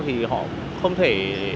thì họ không thể